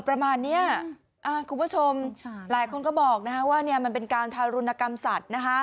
ประมาณนี้คุณผู้ชมหลายคนก็บอกว่ามันเป็นการทารุณกรรมสัตว์